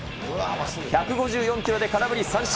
１５４キロで空振り三振。